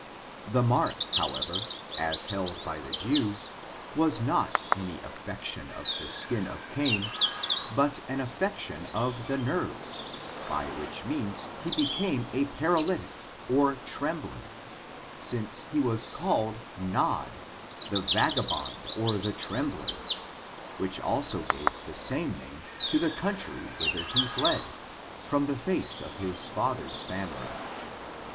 The mark, however, as held by the Jews, was not any affection of the skin of Cain, but an aflfection of the nerves, by which means he became diparalyticy or trembler ; hence he was called Nod, the vagabond ^ or the trembler, which also gave the same name to the country whither he fled, from the face of his fa ther's family.